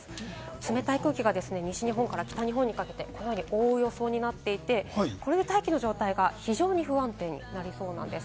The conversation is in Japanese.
冷たい空気が西日本から北日本にかけてこのように覆う予想になっていて、これで大気の様子が非常に不安定になりそうなんです。